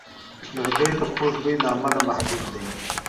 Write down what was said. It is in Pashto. لرګی د خوږ بوی له امله محبوب دی.